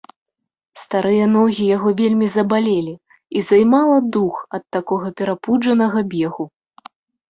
Старыя ногі яго вельмі забалелі, і займала дух ад такога перапуджанага бегу.